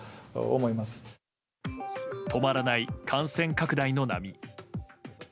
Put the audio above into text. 止まらない感染拡大の波。